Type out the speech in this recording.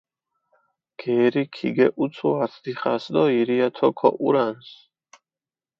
გერი ქიგეჸუცუ ართ დიხას დო ირიათო ქოჸურანს.